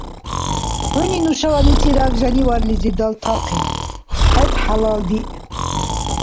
ХӀуни нушала мицӀираг жаниварлизи далтахъид. ХӀед хӀялалдиъ!